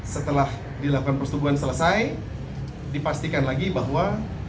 setelah dilakukan persetubuhan selesai dipastikan lagi bahwa